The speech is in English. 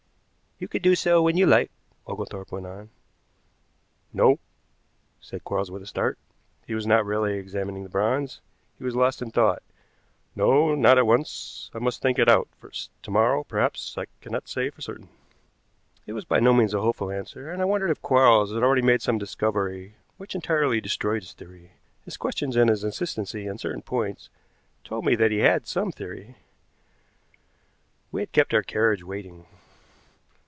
"You can do so when you like," Oglethorpe went on. "No," said Quarles with a start. He was not really examining the bronze, he was lost in thought. "No, not at once. I must think it out first. To morrow, perhaps. I cannot say for certain." It was by no means a hopeful answer, and I wondered if Quarles had already made some discovery which entirely destroyed his theory. His questions and his insistency on certain points told me that he had some theory. We had kept our carriage waiting.